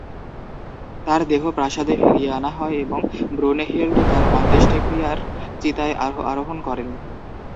তার দেহ প্রাসাদে ফিরিয়ে আনা হয় এবং ব্রুনেহিল্ড তার অন্ত্যেষ্টিক্রিয়ার চিতায় আরোহণ করেন।